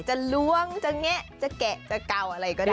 จะล้วงจะแงะจะแกะจะเก่าอะไรก็ได้